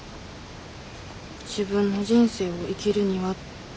自分の人生を生きるにはってとこ。